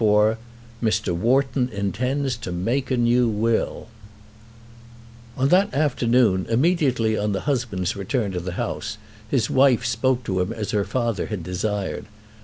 CHAPTER XLIV Mr. Wharton Intends to Make a New Will On that afternoon, immediately on the husband's return to the house, his wife spoke to him as her father had desired.